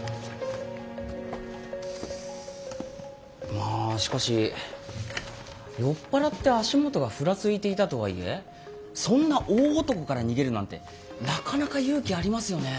まあしかし酔っ払って足元がフラついていたとはいえそんな大男から逃げるなんてなかなか勇気ありますよね。